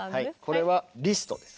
これはリストです。